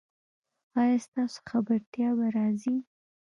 ایا ستاسو خبرتیا به راځي؟